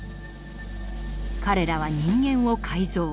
彼らは人間を改造。